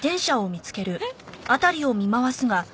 えっ？